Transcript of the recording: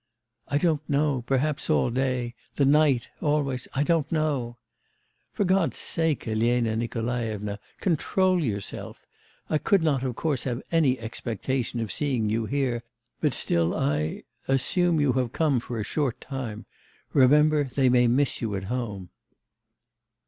'I don't know, perhaps all day, the night, always I don't know.' 'For God's sake, Elena Nikolaevna, control yourself. I could not of course have any expectation of seeing you here; but still I assume you have come for a short time. Remember they may miss you at home.